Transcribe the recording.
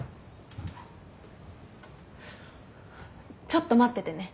ちょっと待っててね。